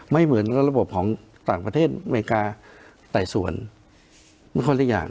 ไม่เหมือนกับระบบของต่างประเทศอเมริกาแต่ส่วนมันควรอีกอย่าง